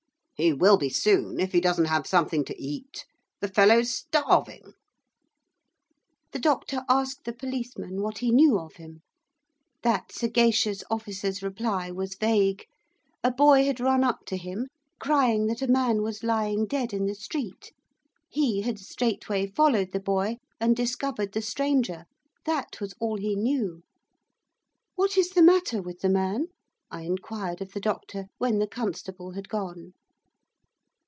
'He will be soon, if he doesn't have something to eat. The fellow's starving.' The doctor asked the policeman what he knew of him. That sagacious officer's reply was vague. A boy had run up to him crying that a man was lying dead in the street. He had straightway followed the boy, and discovered the stranger. That was all he knew. 'What is the matter with the man?' I inquired of the doctor, when the constable had gone.